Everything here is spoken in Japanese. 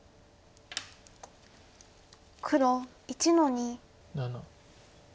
黒１の二。